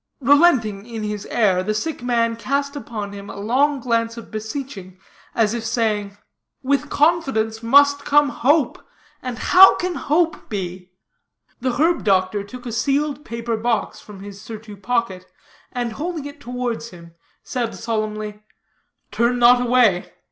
Relenting in his air, the sick man cast upon him a long glance of beseeching, as if saying, "With confidence must come hope; and how can hope be?" The herb doctor took a sealed paper box from his surtout pocket, and holding it towards him, said solemnly, "Turn not away.